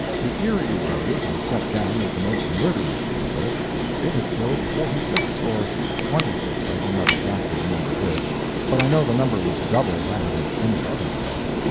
The Erie road was set down as the most murderous in the list. It had killed forty six or twenty six, I do not exactly remember which, but I know the number was double that of any other road.